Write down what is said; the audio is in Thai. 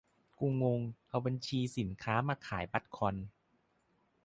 กูงง เอาบัญชีสินค้ามาขายบัตรคอน